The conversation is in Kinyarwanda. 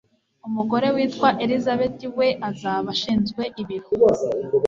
Umugore witwa Elizabeth we azaba ashinzwe ibiro